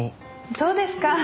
そうですか。